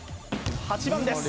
８番です